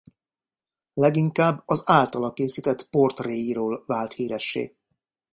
Leginkább az általa készített portréiról vált híressé.